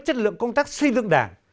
chất lượng công tác xây dựng đảng